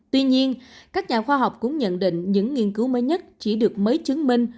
tuy nhiên các nhà khoa học cũng nhận định những nghiên cứu mới nhất chỉ được mới chứng minh